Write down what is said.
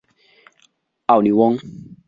奥里翁。